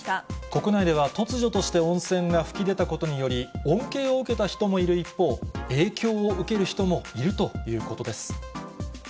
国内では突如として温泉が噴き出たことにより、恩恵を受けた人もいる一方、影響を受ける人もいるということです。